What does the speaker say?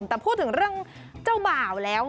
แต่พูดถึงเรื่องเจ้าบ่าวแล้ว